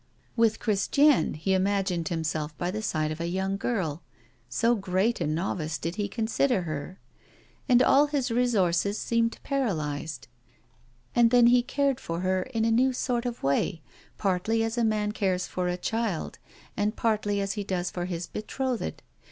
With Christiane, he imagined himself by the side of a young girl, so great a novice did he consider her; and all his resources seemed paralyzed. And then he cared for her in a new sort of way, partly as a man cares for a child, and partly as he does for his betrothed.